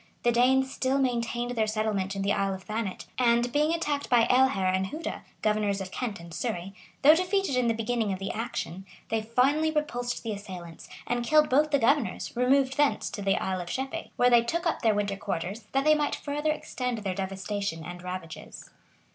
The Danes still maintained their settlement in the Isle of Thanet; and, being attacked by Ealher and Huda, governors of Kent and Surrey, though defeated in the beginning of the action, they finally repulsed the assailants, and killed both the governors, removed thence to the Isle of Shepey, where they took up their winter quarters, that they might farther extend their devastation and ravages.